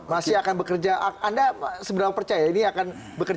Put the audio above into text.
masih akan bekerja akh anda seberang percaya ini akan bekerja out seperti ada perhitungan menteri